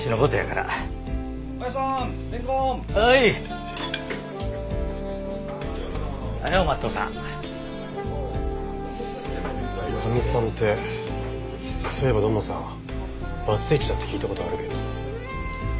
かみさんってそういえば土門さんバツイチだって聞いた事はあるけど。